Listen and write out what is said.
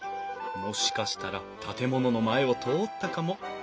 もしかしたら建物の前を通ったかも。